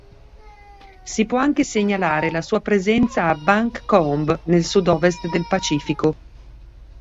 Si può anche segnalare la sua presenza a Banc Combe, nel sudovest del Pacifico.